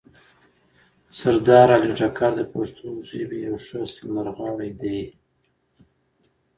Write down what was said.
سردار علي ټکر د پښتو ژبې یو ښه سندرغاړی ده